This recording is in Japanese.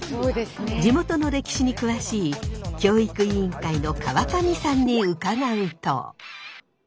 地元の歴史に詳しい教育委員会の川上さんに伺うと。